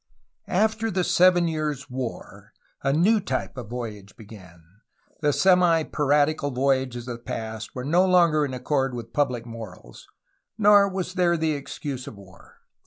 After the Seven Years^ War a new type of voyage began. The semi piratical voyages of the past were no longer in accord with public morals, nor was there the excuse of war.